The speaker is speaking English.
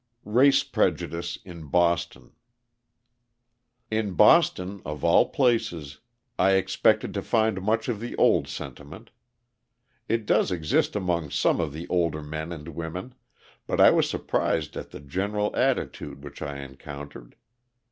Race Prejudice in Boston In Boston, of all places, I expected to find much of the old sentiment. It does exist among some of the older men and women, but I was surprised at the general attitude which I encountered.